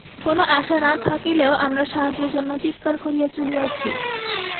কোন আশা না থাকিলেও আমরা সাহায্যের জন্য চীৎকার করিয়া চলিয়াছি।